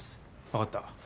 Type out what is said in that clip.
わかった。